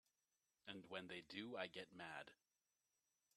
And when they do I get mad.